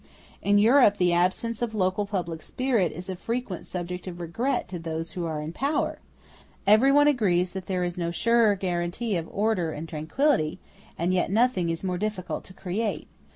In Europe the absence of local public spirit is a frequent subject of regret to those who are in power; everyone agrees that there is no surer guarantee of order and tranquility, and yet nothing is more difficult to create.